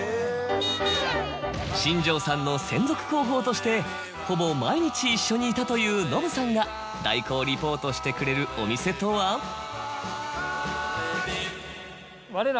新庄さんの専属広報としてほぼ毎日一緒にいたというのぶさんが代行リポートしてくれるお店とは？え！